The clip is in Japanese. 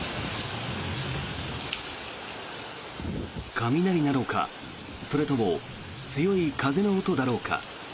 雷なのかそれとも強い風の音だろうか。